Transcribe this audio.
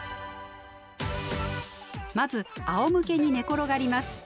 まずあおむけに寝転がります。